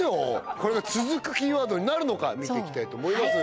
これが続くキーワードになるのか見ていきたいと思います